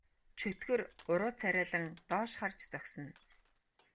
Чөтгөр уруу царайлан доош харж зогсоно.